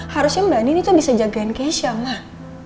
harusnya mbak andin itu bisa jagain keisha mah